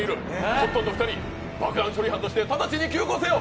コットンの２人、爆弾処理班として直ちに急行せよ！